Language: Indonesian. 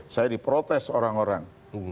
saya diprotes orang orang